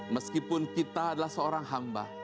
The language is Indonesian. meskipun kita adalah seorang hamba